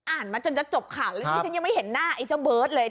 อ่านมาจนจะจบค่ะแล้วนี่ฉันยังไม่เห็นหน้าไอ้เจ้าเบิร์ดเลย